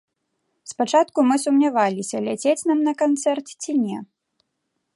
Спачатку мы сумняваліся, ляцець нам на канцэрт ці не.